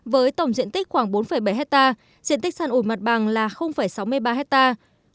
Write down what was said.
với tổng diện tích khoảng bốn bảy hectare diện tích sàn ủi mặt bằng là sáu mươi ba hectare